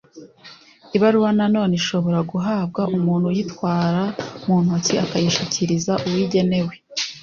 ibaruwa nanone ishobora guhabwa umuntu uyitwara mu ntoki akayishikiriza uwo igenewe